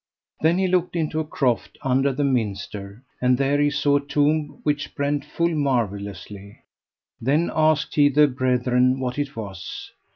Then he looked into a croft under the minster, and there he saw a tomb which brent full marvellously. Then asked he the brethren what it was.